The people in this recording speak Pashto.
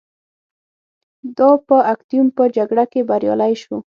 دا په اکتیوم په جګړه کې بریالی شو